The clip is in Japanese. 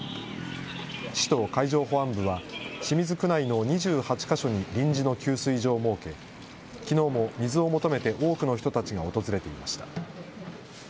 市と海上保安部は、清水区内の２８か所に臨時の給水所を設け、きのうも水を求めて多くの人たちが訪れていました。